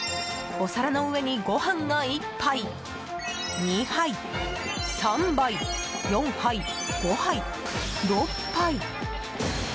お皿の上に、ご飯が１杯、２杯３杯、４杯、５杯、６杯。